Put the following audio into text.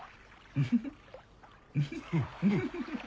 フフフ。